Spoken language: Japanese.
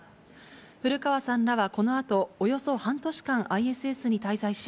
古川さんらはこのあと、およそ半年間、ＩＳＳに滞在し、